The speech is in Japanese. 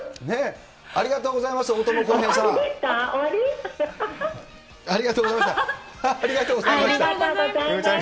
ありがとうございます、終わり？